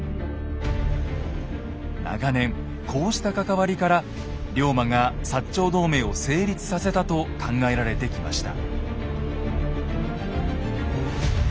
長年こうした関わりから龍馬が長同盟を成立させたと考えられてきました。